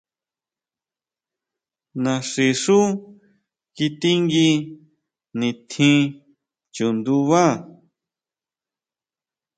Naxí xú kitingui nitjín chundubá.